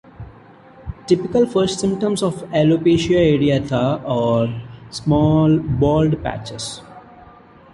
Typical first symptoms of alopecia areata are small bald patches.